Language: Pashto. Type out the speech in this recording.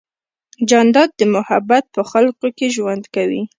جانداد د محبت په خلقو کې ژوند کوي.